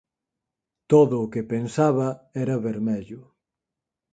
Todo o que pensaba era vermello.